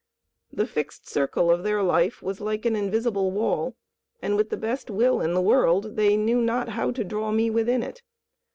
The fixed circle of their life was like an invisible wall, and with the best will in the world they knew not how to draw me within it.